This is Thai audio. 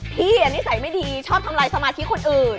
พี่นิสัยไม่ดีชอบทำลายสมาธิคนอื่น